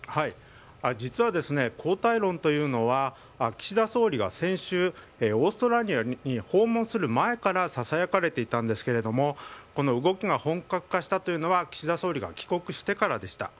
実は、交代論というのは岸田総理が先週オーストラリアに訪問する前からささやかれていたんですけどもこの動きが本格化したというのは岸田総理が帰国してからでした。